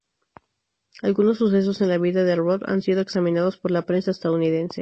Algunos sucesos en la vida de Roth han sido examinados por la prensa estadounidense.